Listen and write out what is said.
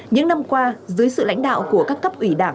những năm qua dưới sự lãnh đạo của các cấp ủy đảng